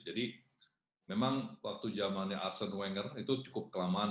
jadi memang waktu zamannya arsene wenger itu cukup kelamaan